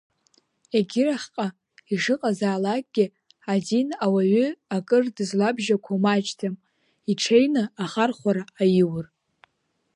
Егьырахьҟа ишыҟазаалакгьы, адин ауаҩы акыр дызлабжьақәо маҷӡам, иҽеины ахархәара аиур.